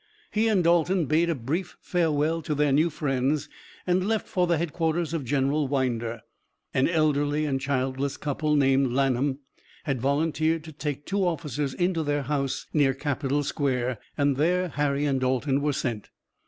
He and Dalton bade a brief farewell to their new friends and left for the headquarters of General Winder. An elderly and childless couple named Lanham had volunteered to take two officers in their house near Capitol Square, and there Harry and Dalton were sent.